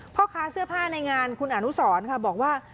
พ่อค้าเสื้อผ้าในงานคุณอนุสรค่ะบอกว่า